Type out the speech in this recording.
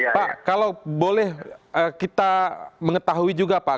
pak kalau boleh kita mengetahui juga pak